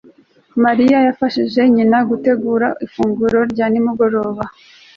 Mariya yafashije nyina gutegura ifunguro rya nimugoroba